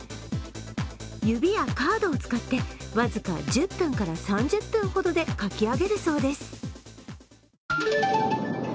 指やカードを使って、僅か１０分から３０分ほどで描き上げるそうです。